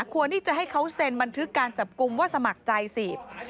ควรที่จะให้เขาเซ็นบันทึกการจับกลุ่มว่าสมัครใจสิ